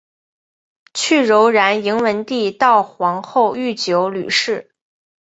去柔然迎文帝悼皇后郁久闾氏。